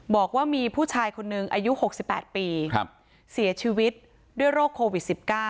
บอกว่ามีผู้ชายคนนึงอายุ๖๘ปีเสียชีวิตด้วยโรคโควิด๑๙